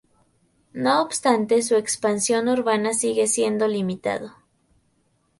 No obstante su expansión urbana sigue siendo limitado.